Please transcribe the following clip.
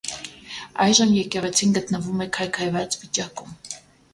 Այժմ եկեղեցին գտնվում է քայքայված վիճակում։